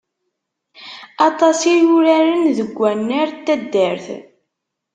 Aṭas i uraren deg wannar n taddart.